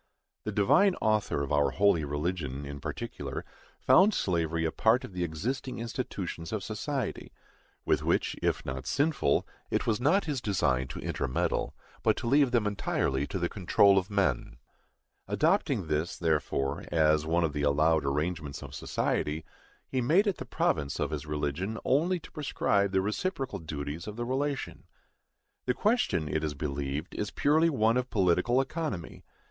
The Divine Author of our holy religion, in particular, found slavery a part of the existing institutions of society; with which, if not sinful, it was not his design to intermeddle, but to leave them entirely to the control of men. Adopting this, therefore, as one of the allowed arrangements of society, he made it the province of his religion only to prescribe the reciprocal duties of the relation. The question, it is believed, is purely one of political economy.